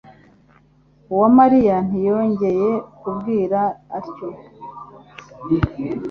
Uwamariya ntiyongeye kumbwira atyo.